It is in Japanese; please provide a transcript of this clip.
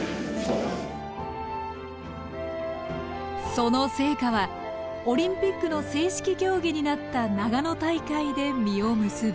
その成果はオリンピックの正式競技になった長野大会で実を結ぶ。